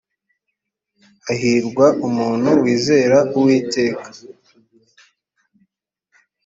hahirwa umuntu wizera uwiteka .